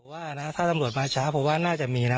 ว่านะถ้าสำหรับมาช้าเพราะว่าน่าจะมีน่ะ